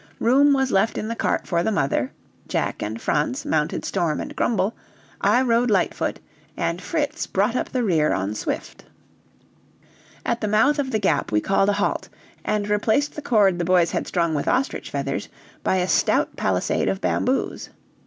Room was left in the cart for the mother. Jack and Franz mounted Storm and Grumble, I rode Lightfoot, and Fritz brought up the rear on Swift. At the mouth of the Gap we called a halt, and replaced the cord the boys had strung with ostrich feathers by a stout palisade of bamboos.